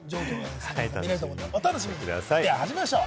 では始めましょう！